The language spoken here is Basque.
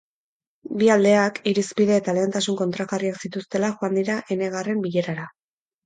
Bi aldeak irizpide eta lehentasun kontrajarriak zituztela joan dira enegarren bilerara.